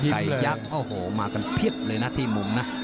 ไกยังโอ้หูมากันเพียบเลยนะที่มุม